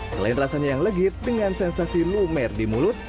selain rasanya yang legit dengan sensasi lumer di mulut